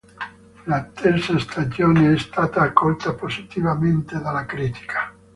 La terza stagione è stata accolta positivamente dalla critica.